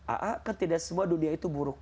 a a kan tidak semua dunia itu buruk